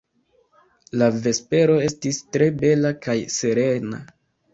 La vespero estis tre bela kaj serena.